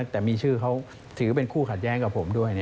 แต่มีชื่อเขาถือเป็นคู่ขัดแย้งกับผมด้วย